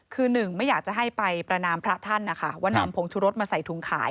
คือหนึ่งไม่อยากจะให้ไปประนามพระท่านนะคะว่านำผงชุรสมาใส่ถุงขาย